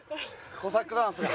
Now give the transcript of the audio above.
コサックダンスがね。